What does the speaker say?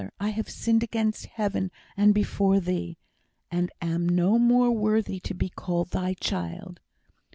I have sinned against Heaven and before Thee, and am no more worthy to be called Thy child!"